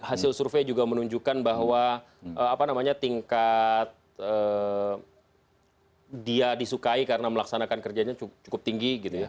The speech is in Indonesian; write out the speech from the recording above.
hasil survei juga menunjukkan bahwa tingkat dia disukai karena melaksanakan kerjanya cukup tinggi gitu ya